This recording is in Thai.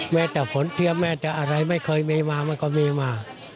แม้แต่ผลเสียแม้แต่อะไรไม่เคยมีมามันก็มีมา